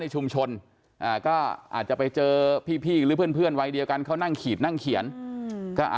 ในชุมชนอ่าก็อาจจะไปเจอพี่หรือเพื่อนเว้นดีกันเขานั่งขีด